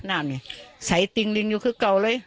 นั่นนี่สายดินยังอยู่ข้างค่าเลย